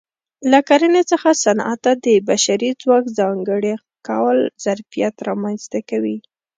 له کرنې څخه صنعت ته د بشري ځواک ځانګړي کول ظرفیت رامنځته کوي